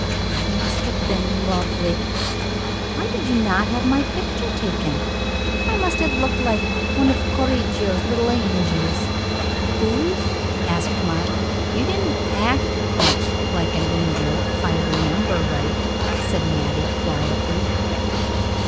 I must have been lovely. Why did you not have my picture taken? I must have looked just like one of Correggio's little angels." "Whose?" asked Mark. "You didn't act much like an angel, if I remember right," said Mattie, quietly.